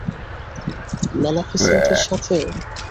Maleficent এর সাথে?